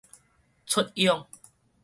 出養